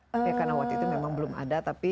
tapi karena waktu itu memang belum ada tapi